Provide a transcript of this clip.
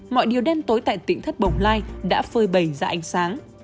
mọi điều đêm tối tại tỉnh thất bồng lai đã phơi bầy ra ánh sáng